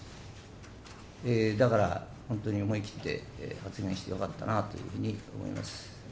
だから本当に思い切って発言してよかったなというふうに思います。